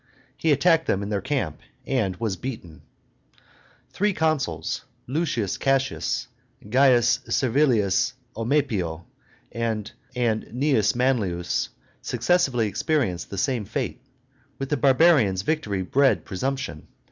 He attacked them in their camp, and was beaten. Three consuls, L. Cassius, C. Servilius Omepio, and Cu. Manlius, successively experienced the same fate. With the barbarians victory bred presumption.